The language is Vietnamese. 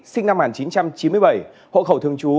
sinh năm một nghìn chín trăm chín mươi bảy hộ khẩu thường trú